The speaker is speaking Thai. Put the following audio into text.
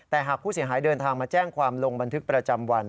แต่หากผู้เสียหายเดินทางมาแจ้งความลงบันทึกประจำวัน